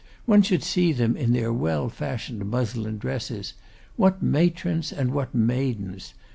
One should see them in their well fashioned muslin dresses. What matrons, and what maidens!